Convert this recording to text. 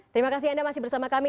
terima kasih anda masih bersama kami